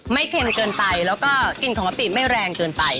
เค็มเกินไปแล้วก็กลิ่นของกะปิไม่แรงเกินไป